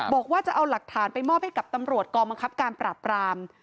บอกว่าจะเอาหลักฐานไปมอบให้กับตำรวจกองบังคับการปราบราม